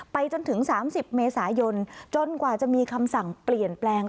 จนถึง๓๐เมษายนจนกว่าจะมีคำสั่งเปลี่ยนแปลง